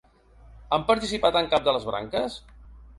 Han participat en cap de les branques?